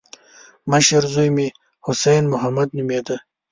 مشر زوی مې حسين محمد نومېده.